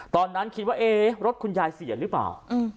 ตอนนั้นคิดว่าเอ๊ะรถคุณยายเสียหรือเปล่า